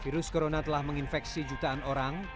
virus corona telah menginfeksi jutaan orang